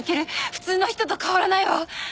普通の人と変わらないわ。